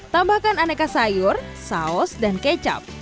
tambahkan aneka sayur saus dan kecap